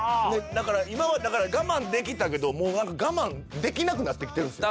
だから今まで我慢できたけどもうなんか我慢できなくなってきてるんですよ